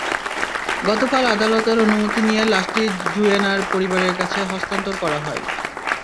গতকাল আদালতের অনুমতি নিয়ে লাশটি জুয়েনার পরিবারের কাছে হস্তান্তর করা হয়।